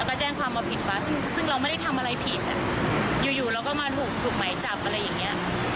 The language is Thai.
ก็แจ้งความเอาผิดฟ้าซึ่งเราไม่ได้ทำอะไรผิดอยู่เราก็มาถูกหมายจับอะไรอย่างนี้